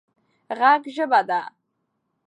ږغ ژبه ده